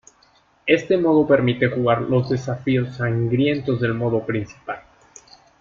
Este modo permite jugar los desafíos sangrientos del modo principal.